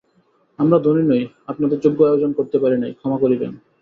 আমরা ধনী নই, আপনাদের যোগ্য আয়োজন করিতে পারি নাই, ক্ষমা করিবেন।